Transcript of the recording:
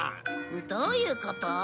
どういうこと？